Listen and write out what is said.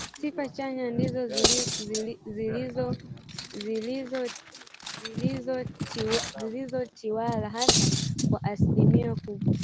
Sifa chanya ndizo zilizozitawala hasi kwa asilimia kubwa